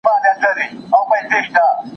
د لاس لیکنه د نورو د احترام ګټلو لاره ده.